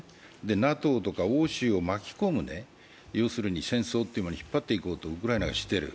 ＮＡＴＯとか応酬を巻き込む戦争に引っ張っていこうとウクライナはしている。